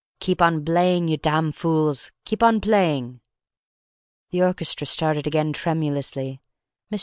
"Keep on blaying, you tam fools! Keep on blaying!" The orchestra started again tremulously. Mr.